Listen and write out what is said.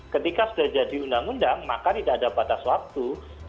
ketika sudah jadi undang undang maka tidak ada batas waktu